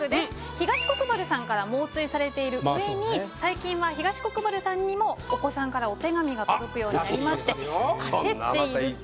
東国原さんから猛追されているうえに最近まあ東国原さんにもお子さんからお手紙が届くようになりまして焦っていると。